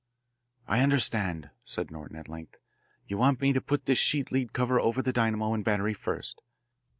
"I understand," said Norton at length, "you want me to put this sheet lead cover over the dynamo and battery first.